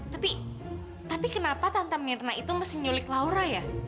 tapi tapi kenapa tante mirna itu mesti nyulik laura ya